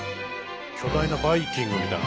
巨大なバイキングみたいな。